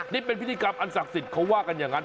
นี่เป็นพิธีกรรมอันศักดิ์สิทธิ์เขาว่ากันอย่างนั้น